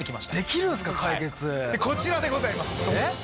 こちらでございますドン。